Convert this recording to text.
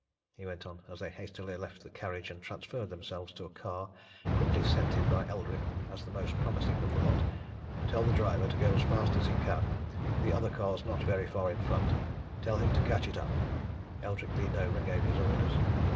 he went on, as they hastily left the carriage and transferred themselves to a car quickly scented by Eldrick as the most promising of the lot. "Tell the driver to go as fast as he can the other car's not very far in front tell him to catch it up." Eldrick leaned over and gave his orders.